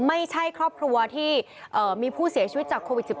ไม่ใช่ครอบครัวที่มีผู้เสียชีวิตจากโควิด๑๙